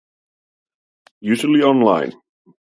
Usually online.